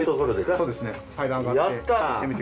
そうですね階段上がって。